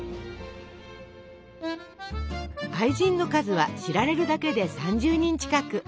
愛人の数は知られるだけで３０人近く。